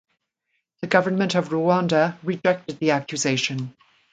The government of Rwanda rejected the accusation.